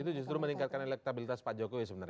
itu justru meningkatkan elektabilitas pak jokowi sebenarnya